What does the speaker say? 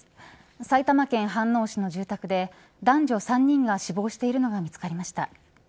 埼玉県飯能市の住宅で男女３人が死亡しているのが見つかりました。